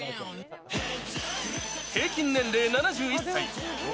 平均年齢７１歳。